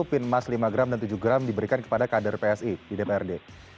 pin emas lima gram dan tujuh gram diberikan kepada kader psi di dprd